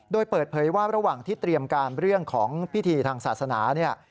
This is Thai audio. โดยเปิดเผยว่าระหว่างที่เตรียมการเรื่องของพิธีทางศาสนาเนี่ย